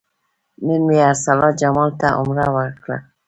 نن مې ارسلا جمال ته عمره وکړه.